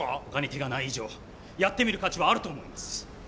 ほかに手がない以上やってみる価値はあると思います。